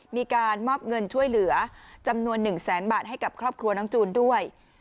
มีการมอบเงินช่วยเหลือจำนวน๑แสนบาทให้กับครอบครัวน้องจูนด้วย